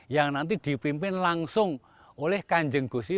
yang nanti dipimpin langsung oleh kanjeng gusi